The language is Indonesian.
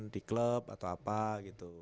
di klub atau apa gitu